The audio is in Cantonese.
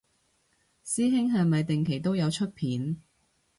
師兄係咪定期都有出片